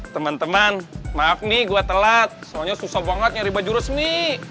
temen temen maaf nih gua telat soalnya susah banget nyari baju resmi